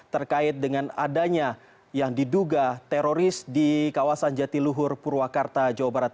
terkait dengan adanya yang diduga teroris di kawasan jatiluhur purwakarta jawa barat